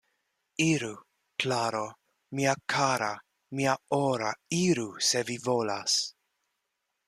Iru, Klaro, mia kara, mia ora, iru, se vi volas.